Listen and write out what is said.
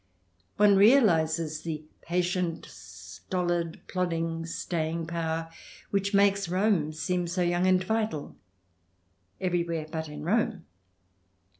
One realizes the patient, stolid, plodding staying power which makes Rome seem so young and vital — everywhere but in Rome.